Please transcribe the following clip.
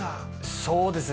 そうですね。